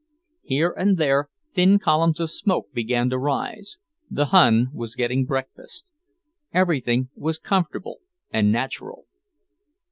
Here and there thin columns of smoke began to rise; the Hun was getting breakfast; everything was comfortable and natural.